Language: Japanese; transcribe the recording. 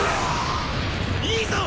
いいぞ！